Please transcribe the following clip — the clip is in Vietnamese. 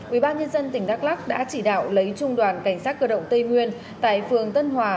ubnd tỉnh đắk lắc đã chỉ đạo lấy trung đoàn cảnh sát cơ động tây nguyên tại phường tân hòa